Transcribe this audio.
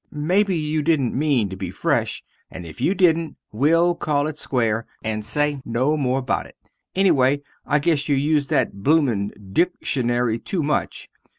Mebbe you didn't mene to be fresh and if you didnt will call it square and say no more about it, ennyway I guess you use that bloomin dickshunary two much.